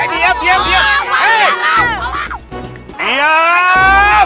eh diam diam diam